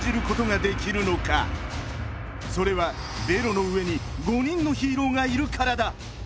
それはベロのうえに５にんのヒーローがいるからだ！